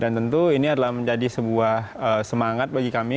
jadi itu ini adalah menjadi sebuah semangat bagi kami